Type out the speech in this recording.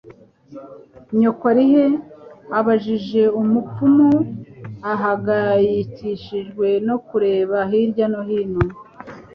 Nyoko ari he?" abajije Umupfumu, ahangayikishijwe no kureba hirya no hino.